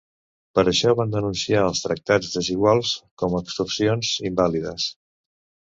Per això van denunciar els tractats desiguals com extorsions invàlides.